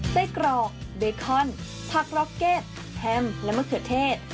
ไส้กรอกเบคอนผักร็อกเก็ตแฮมและมะเขือเทศ